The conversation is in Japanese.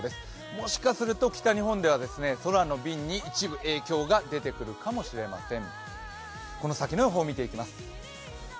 もしかすると北日本では空の便に一部影響が出てくるかもしれません。